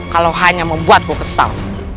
kalau hanya membuatku kesal